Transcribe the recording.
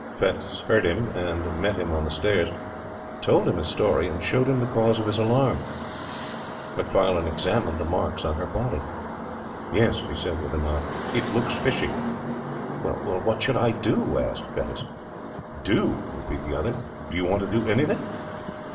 Fettes heard him, and met him on the stairs, told him his story, and showed him the cause of his alarm. Macfarlane examined the marks on her body. 'Yes,' he said with a nod, 'it looks fishy.' 'Well, what should I do?' asked Fettes. 'Do?' repeated the other. 'Do you want to do anything?